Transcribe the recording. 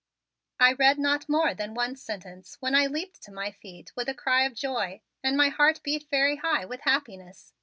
I read not more than one sentence when I leaped to my feet with a cry of joy and my heart beat very high with happiness.